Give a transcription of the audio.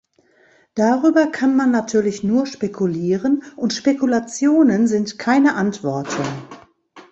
Darüber kann man natürlich nur spekulieren, und Spekulationen sind keine Antworten.